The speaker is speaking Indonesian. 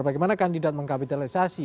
bagaimana kandidat mengkapitalisasi